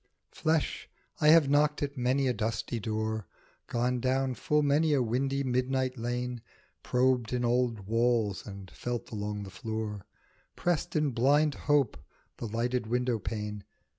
FLESH, I have knocked at many a dusty door, Gone down full many a windy midnight lane, Probed in old walls and felt along the floor, Pressed in blind hope the lighted window pane.